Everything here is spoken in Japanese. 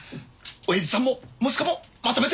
おやじさんも息子もまとめてさ。